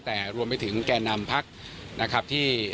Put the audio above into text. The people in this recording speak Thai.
แต่รวมไปถึงแก่นำพักนะครับที่